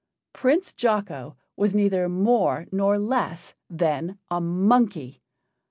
Prince Jocko was neither more nor less than a monkey!